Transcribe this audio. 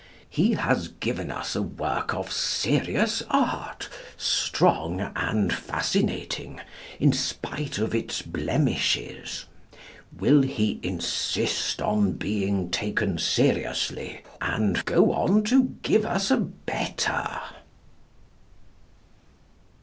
He has given us a work of serious art, strong and fascinating, in spite of its blemishes. Will he insist on being taken seriously, and go on to give us a better?